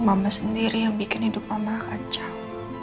mama sendiri yang bikin hidup mama kacang